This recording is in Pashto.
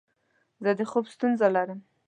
زه د خوب ستونزه لرم.